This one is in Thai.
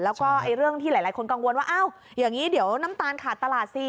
แล้วก็เรื่องที่หลายคนกังวลว่าอ้าวอย่างนี้เดี๋ยวน้ำตาลขาดตลาดสิ